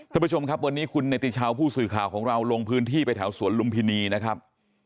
ท่านผู้ชมครับวันนี้คุณเนติชาวผู้สื่อข่าวของเราลงพื้นที่ไปแถวสวนลุมพินีนะครับ